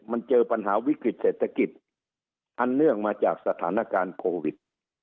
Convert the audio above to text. มันเจอปัญหาวิกฤติเศรษฐกิจอันเนื่องมาจากสถานการณ์โควิด